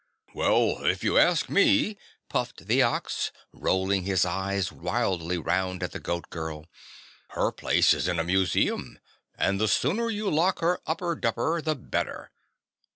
"Well if you ask me," puffed the Ox, rolling his eyes wildly round at the Goat Girl, "her place is in a museum and the sooner you lock her upper dupper, the better."